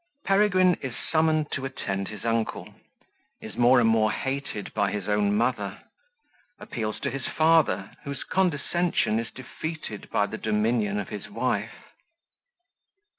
Peregrine is summoned to attend his Uncle Is more and more hated by his own Mother Appeals to his Father, whose Condescension is defeated by the Dominion of his Wife.